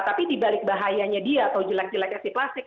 tapi dibalik bahayanya dia atau jelek jeleknya si plastik